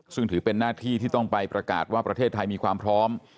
ซึ่งถือเป็นหน้าที่ที่ต้องไปประกาศว่าประเทศไทยมีความพร้อม